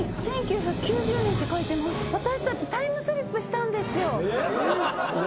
私たちタイムスリップしたんですよ。